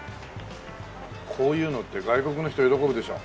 こういうのって外国の人喜ぶでしょ？